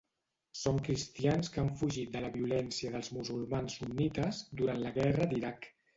Són cristians que han fugit de la violència dels musulmans sunnites durant la Guerra d'Iraq.